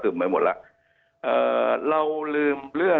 ถุงการ